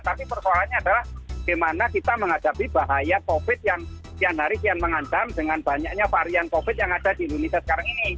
tapi persoalannya adalah bagaimana kita menghadapi bahaya covid yang kian hari kian mengancam dengan banyaknya varian covid yang ada di indonesia sekarang ini